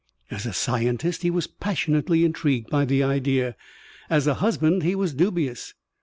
As a scientist he was passionately intrigued by the idea. As a husband he was dubious.